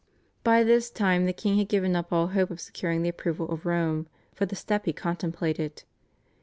By this time the king had given up all hope of securing the approval of Rome for the step he contemplated.